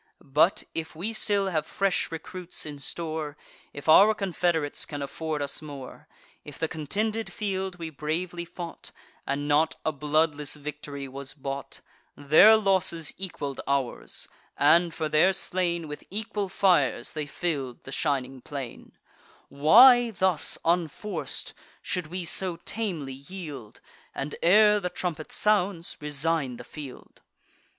But, if we still have fresh recruits in store, If our confederates can afford us more; If the contended field we bravely fought, And not a bloodless victory was bought; Their losses equal'd ours; and, for their slain, With equal fires they fill'd the shining plain; Why thus, unforc'd, should we so tamely yield, And, ere the trumpet sounds, resign the field?